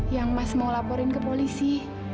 yang mas mau laporin ke polisi